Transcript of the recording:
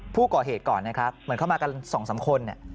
ผู้ก่อเหตุก่อนนะครับเหมือนเข้ามากัน๒๓คน